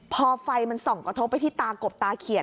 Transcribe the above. พอไฟมันส่องกระทบไปที่ตากบตาเขียด